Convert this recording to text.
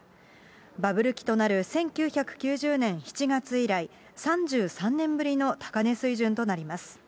バブル期となる１９９０年７月以来、３３年ぶりの高値水準となります。